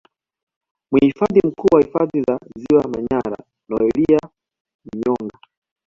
Mhifadhi Mkuu wa Hifadhi ya Ziwa Manyara Noelia Myonga